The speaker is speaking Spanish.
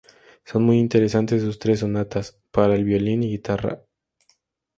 Son muy interesantes sus tres Sonatas para violín y guitarra op.